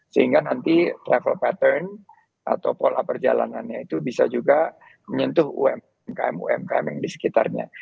sehingga nanti travel pattern atau pola perjalanannya itu bisa juga menyentuh umkm umkm yang di sekitarnya